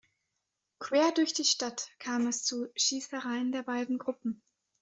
Quer durch die Stadt kam es zu Schießereien der beiden Gruppen.